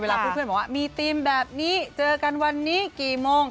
เพื่อนบอกว่ามีธีมแบบนี้เจอกันวันนี้กี่โมง